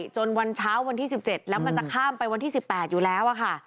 จนวันเช้าวันที่๑๗แล้วมันจะข้ามไปวันที่๑๘อยู่แล้วค่ะ